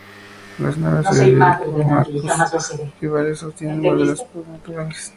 Las naves se dividen por arcos ojivales que sostienen bóvedas de nervaduras.